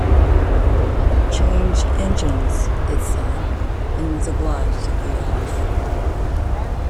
‘Change engines—’ it said, and was obliged to leave off.